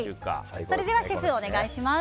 それではシェフ、お願いします。